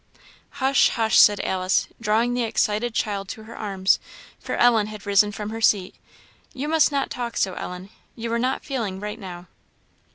"Hush, hush," said Alice, drawing the excited child to her arms, for Ellen had risen from her seat "you must not talk so, Ellen; you are not feeling right now."